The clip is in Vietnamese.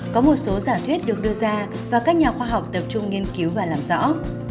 có một số giả thuyết được đưa ra và các nhà khoa học tập trung nghiên cứu và làm rõ